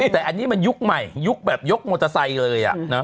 แต่อันนี้มันยุคใหม่ยุคแบบยกมอเตอร์ไซค์เลย